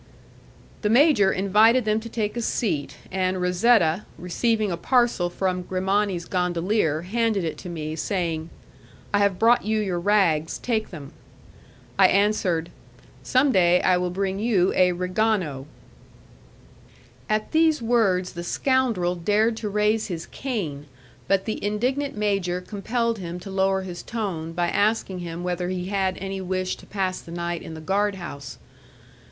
The major invited them to take a seat, and Razetta, receiving a parcel from Grimani's gondolier, handed it to me, saying, "I have brought you your rags; take them." I answered: "Some day I will bring you a 'rigano'." At these words the scoundrel dared to raise his cane, but the indignant major compelled him to lower his tone by asking him whether he had any wish to pass the night in the guard house.